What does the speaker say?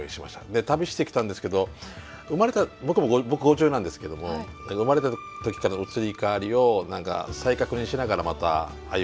で旅してきたんですけど僕５０なんですけども生まれた時からの移り変わりを何か再確認しながらまた歩めたかなと思うんです。